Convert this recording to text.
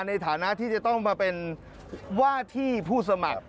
ในฐานะที่จะต้องมาเป็นว่าที่ผู้สมัคร